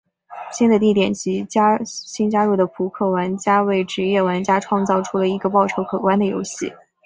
新的地点及新加入的扑克玩家为职业玩家创造出了一个报酬可观的游戏。